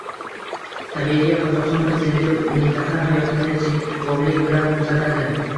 Tabiiyki, Qozogʻiston prezidenti mintaqa hayotini sinchkovlik bilan kuzatadi.